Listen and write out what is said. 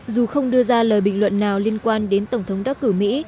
dù không đưa ra lời bình luận nào liên quan đến tổng thống đắc cử mỹ